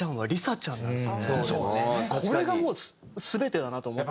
これがもう全てだなと思ってて。